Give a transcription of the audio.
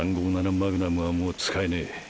マグナムはもう使えねえ。